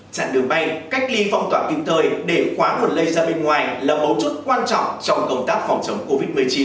chặn đường bay cách ly phong tỏa kịp thời để quá nguồn lây ra bên ngoài là mấu chốt quan trọng trong công tác phòng chống covid một mươi chín